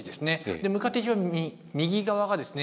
で向かって一番右側がですね